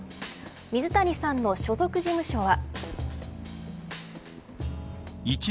水谷さんの所属事務所は。